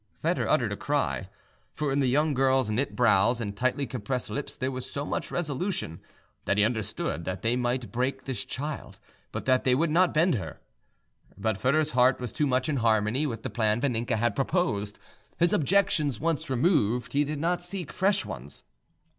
Foedor uttered a cry, for in the young girl's knit brows and tightly compressed lips there was so much resolution that he understood that they might break this child but that they would not bend her. But Foedor's heart was too much in harmony with the plan Vaninka had proposed; his objections once removed, he did not seek fresh ones.